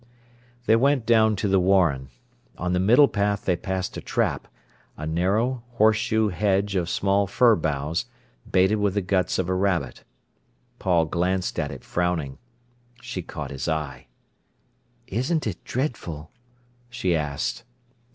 They went down to the warren. On the middle path they passed a trap, a narrow horseshoe hedge of small fir boughs, baited with the guts of a rabbit. Paul glanced at it frowning. She caught his eye. "Isn't it dreadful?" she asked.